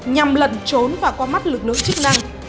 nhằm lẩn trốn và qua mắt lực lượng chức năng